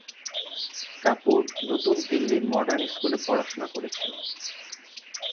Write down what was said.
কাপুর নতুন দিল্লির মডার্ন স্কুলে পড়াশোনা করেছেন।